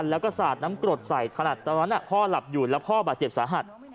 แล้วก็สาดน้ำกรดใส่ถนัดตอนนั้นพ่อหลับอยู่แล้วพ่อบาดเจ็บสาหัส